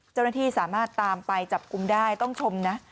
เจ้าหน้าที่สามารถตามไปจับกลุ่มได้ต้องชมนะ